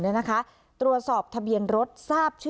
อันดับที่สุดท้าย